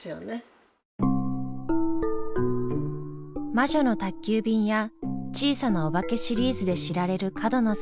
「魔女の宅急便」や「小さなおばけ」シリーズで知られる角野さん。